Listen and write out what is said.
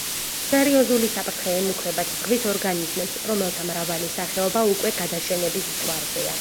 სერიოზული საფრთხე ემუქრებათ ზღვის ორგანიზმებს, რომელთა მრავალი სახეობა უკვე გადაშენების ზღვარზეა.